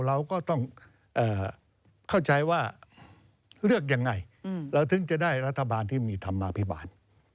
เราก็ต้องเข้าใจว่าเลือกยังไงเราถึงจะได้รัฐบาลที่มีธรรมาภิบาล